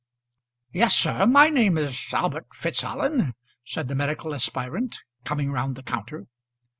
"Yes, sir, my name is Albert Fitzallen," said the medical aspirant, coming round the counter.